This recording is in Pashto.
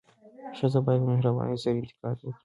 ښځه باید په مهربانۍ سره انتقاد وکړي.